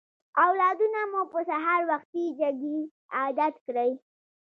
اولادونه مو په سهار وختي جګېدو عادت کړئ.